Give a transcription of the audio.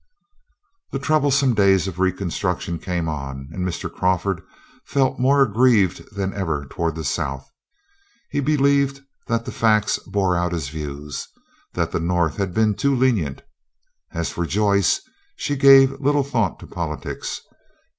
The troublesome days of Reconstruction came on, and Mr. Crawford felt more aggrieved than ever toward the South. He believed that the facts bore out his views, that the North had been too lenient. As for Joyce, she gave little thought to politics.